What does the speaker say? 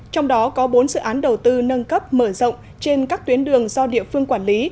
trong đó có bốn dự án đầu tư nâng cấp mở rộng trên các tuyến đường do địa phương quản lý